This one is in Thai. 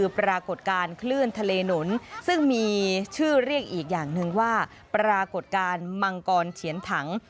ปรากฏการณ์มังกรเฉียนถัง